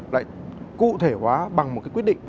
lại cụ thể hóa bằng một quyết định